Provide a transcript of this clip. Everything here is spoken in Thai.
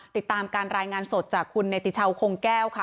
ติดตามการรายงานสดจากคุณเนติชาวคงแก้วค่ะ